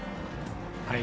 はい。